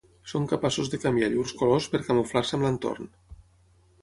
Són capaços de canviar llurs colors per camuflar-se amb l'entorn.